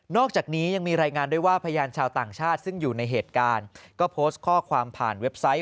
อกจากนี้ยังมีรายงานด้วยว่าพยานชาวต่างชาติซึ่งอยู่ในเหตุการณ์ก็โพสต์ข้อความผ่านเว็บไซต์